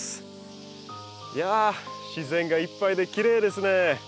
いやあ自然がいっぱいできれいですね。